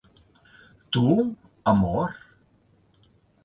Tu, amor?